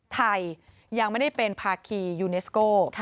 ไทยยังไม่ได้เป็นภาคียูเนสโก